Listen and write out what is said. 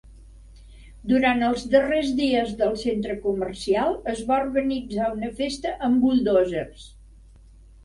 Durant els darrers dies del centre comercial, es va organitzar una festa amb buldòzers.